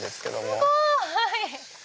すごい！